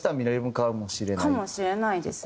かもしれないですね。